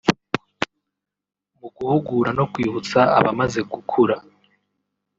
mu guhugura no kwibutsa abamaze gukura